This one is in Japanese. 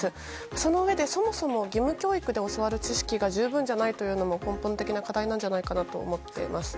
そのうえで、そもそも義務教育で教わる知識が十分じゃないというのも根本的な課題なんじゃないかなと思います。